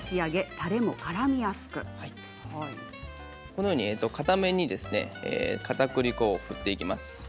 このように片面にかたくり粉を振っていきます。